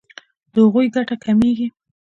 د هغوی ګټه کمیږي.